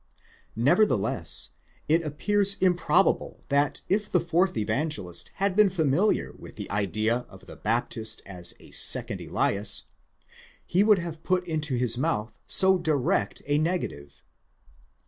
Nevertheless it appears improbable that if the fourth Evangelist had been familiar with the idea of the Baptist as a second Elias, he would have put into his mouth so direct a negative.